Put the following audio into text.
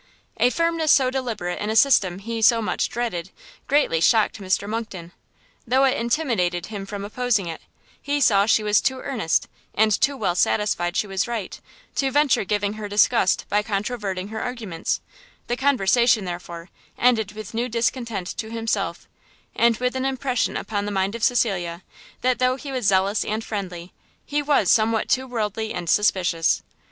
A firmness so deliberate in a system he so much dreaded, greatly shocked Mr Monckton, though it intimidated him from opposing it; he saw she was too earnest, and too well satisfied she was right, to venture giving her disgust by controverting her arguments; the conversation, therefore, ended with new discontent to himself, and with an impression upon the mind of Cecilia, that though he was zealous and friendly, he was somewhat too worldly and suspicious.